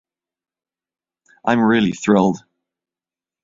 I'm really thrilled.